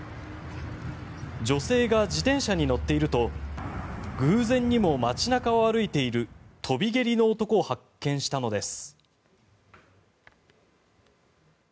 女性が自転車に乗っていると偶然にも、街中を歩いている跳び蹴りの男を発見したのです。